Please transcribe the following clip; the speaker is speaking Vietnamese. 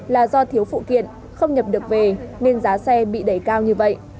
là do thiếu phụ kiện không nhập được về nên giá xe bị đẩy cao như vậy